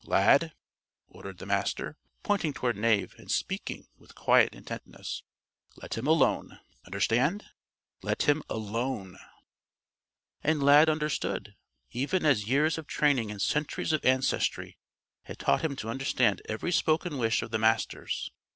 "Lad," ordered the Master, pointing toward Knave and speaking with quiet intentness, "let him alone. Understand? Let him alone." And Lad understood even as years of training and centuries of ancestry had taught him to understand every spoken wish of the Master's.